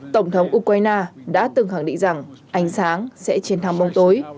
tổng thống ukraine đã từng khẳng định rằng ánh sáng sẽ chiến thắng bóng tối